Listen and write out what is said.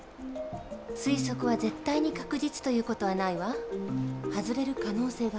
推測は絶対に確実という事はないわ。外れる可能性がある。